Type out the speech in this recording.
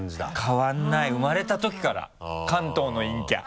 変わらない生まれたときから関東の陰キャ。